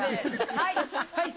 はい。